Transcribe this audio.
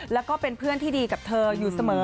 แล้วก็เป็นเพื่อนที่ดีกับเธออยู่เสมอ